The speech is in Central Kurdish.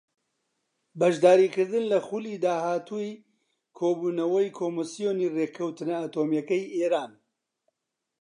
بەشداریکردن لە خولی داهاتووی کۆبوونەوەی کۆمسیۆنی ڕێککەوتنە ئەتۆمییەکەی ئێران